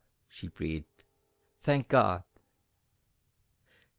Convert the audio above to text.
she breathed, "thank God!"